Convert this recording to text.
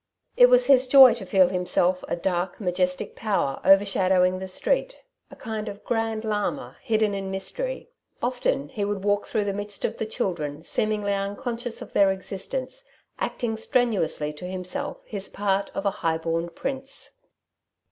It was his joy to feel himself a dark, majestic power overshadowing the street, a kind of Grand Llama hidden in mystery. Often he would walk through the midst of the children, seemingly unconscious of their existence, acting strenuously to himself his part of a high born prince.